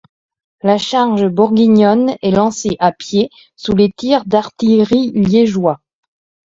La charge bourguignonne est lancée à pieds sous les tirs d'artillerie liégeois.